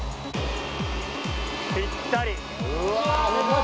ぴったり。